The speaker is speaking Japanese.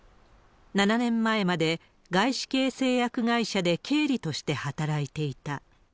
７年前まで、外資系製薬会社で経理として働いていた。